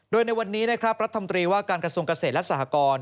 โดยในวันนี้นะครับรัฐมนตรีว่าการกระทรวงเกษตรและสหกร